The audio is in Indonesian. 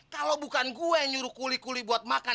kalau bukan gue yang nyuruh kuli kuli buat makan